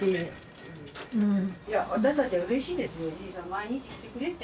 毎日来てくれて。